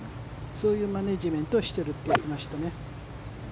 そういうマネジメントをしていると話してましたね。